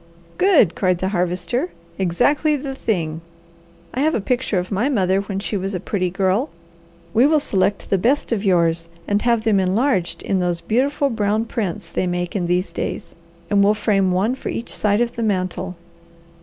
"Good!" cried the Harvester. "Exactly the thing! I have a picture of my mother when she was a pretty girl. We will select the best of yours and have them enlarged in those beautiful brown prints they make in these days, and we'll frame one for each side of the mantel.